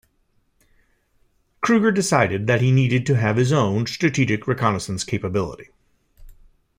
Krueger decided that he needed to have his own strategic reconnaissance capability.